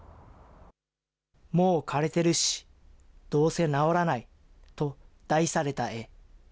もう枯れてるし、どうせ治らない、と題された絵。